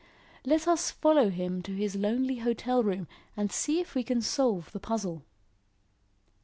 Let us follow him to his lonely hotel room and see if we can solve the puzzle.